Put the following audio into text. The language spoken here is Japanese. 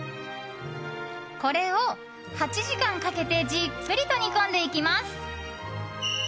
これを、８時間かけてじっくりと煮込んでいきます。